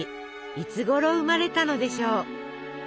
いつごろ生まれたのでしょう？